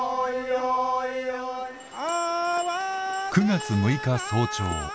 ９月６日早朝